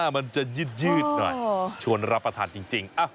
มันจะยืดหน่อยชวนรับประทานจริง